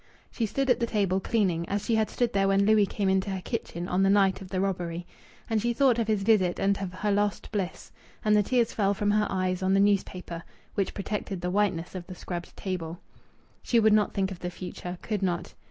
She stood at the table, cleaning, as she had stood there when Louis came into her kitchen on the night of the robbery; and she thought of his visit and of her lost bliss, and the tears fell from her eyes on the newspaper which protected the whiteness of the scrubbed table. She would not think of the future; could not.